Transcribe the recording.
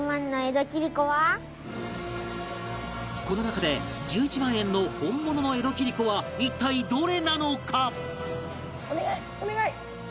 この中で１１万円の本物の江戸切子は一体どれなのか？